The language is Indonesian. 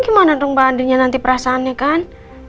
gimana dong mbak andinya nanti perasaannya kan